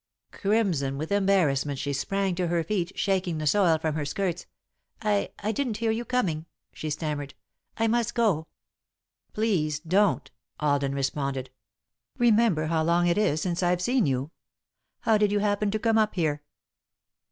Crimson with embarrassment she sprang to her feet, shaking the soil from her skirts. "I I didn't hear you coming," she stammered. "I must go." [Sidenote: New Plans] "Please don't," Alden responded. "Remember how long it is since I've seen you. How did you happen to come up here?"